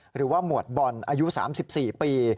หรือว่าหมวดบอลอายุ๓๔ปี